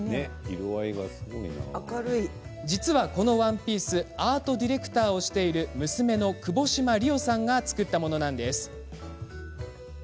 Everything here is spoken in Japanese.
実はこのワンピースアートディレクターをしている娘の、くぼしまりおさんが作ったものなんです。